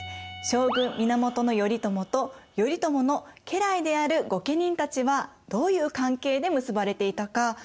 将軍・源頼朝と頼朝の家来である御家人たちはどういう関係で結ばれていたか覚えてますか？